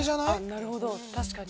なるほど確かに。